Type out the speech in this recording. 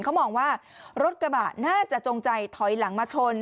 เขามองว่ารถกระบะน่าจะจงใจถอยหลังมาชน